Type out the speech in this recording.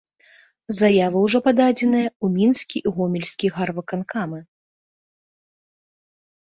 Заявы ўжо пададзеныя ў мінскі і гомельскі гарвыканкамы.